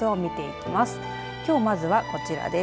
きょう、まずは、こちらです。